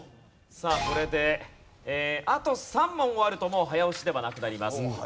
さあこれであと３問終わるともう早押しではなくなります。